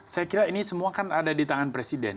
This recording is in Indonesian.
saya kira ini semua kan ada di tangan presiden